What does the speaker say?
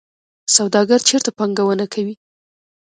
سوداګر چیرته پانګونه کوي؟